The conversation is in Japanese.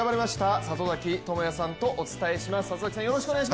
里崎智也さんとお伝えします。